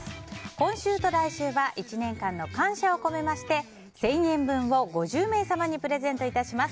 今週と来週は１年間の感謝を込めまして１０００円分を５０名様にプレゼントします。